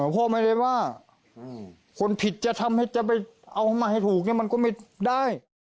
พ่อไม่ได้ว่าคนผิดจะทำให้จะไปเอามาให้ถูกเนี่ยมันก็ไม่ได้